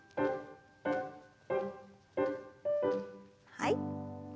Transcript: はい。